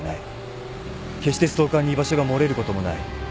決してストーカーに居場所が漏れることもない。